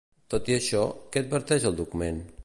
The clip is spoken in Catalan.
Tot i això, què adverteix el document?